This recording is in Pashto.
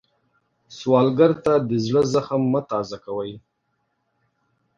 سوالګر ته د زړه زخم مه تازه کوئ